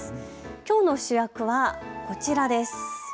きょうの主役はこちらです。